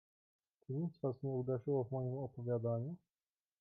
"Czy nic was nie uderzyło w moim opowiadaniu?"